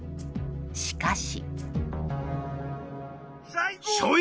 しかし。